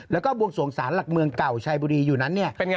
แล้วก็บวงสวงศาลหลักเมืองเก่าชายบุรีอยู่นั้นเนี่ย